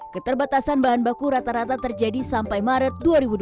keterbatasan bahan baku rata rata terjadi sampai maret dua ribu dua puluh